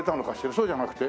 そうじゃなくて？